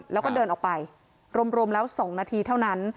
แล้วก็เดินออกไปรวมแล้ว๒นาทีเท่านั้น